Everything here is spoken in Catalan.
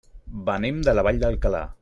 Venim de la Vall d'Alcalà.